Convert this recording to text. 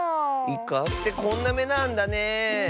イカってこんなめなんだね。